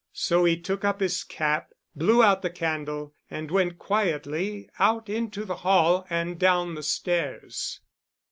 So he took up his cap, blew out the candle and went quietly out into the hall and down the stairs.